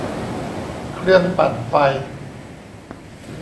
เครื่องปั่นไฟ